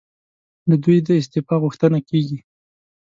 له دوی د استعفی غوښتنه کېږي.